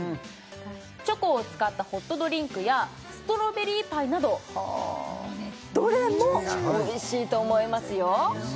チョコを使ったホットドリンクやストロベリーパイなどどれもおいしいと思いますよ